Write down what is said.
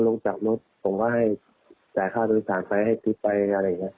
ลงจากรถผมก็ให้จ่ายค่าโดยสารไปให้กิ๊บไปอะไรอย่างนี้